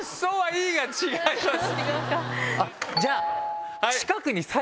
じゃあ！